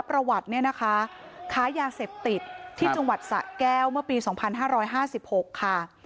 ประวัติเนี่ยนะคะค้ายาเสพติดที่จังหวัดสะแก้วเมื่อปีสองพันห้าร้อยห้าสิบหกค่ะ